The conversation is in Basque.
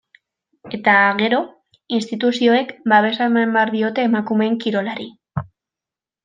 Eta, gero, instituzioek babesa eman behar diote emakumeen kirolari.